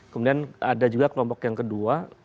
kemudian ada juga kelompok yang kedua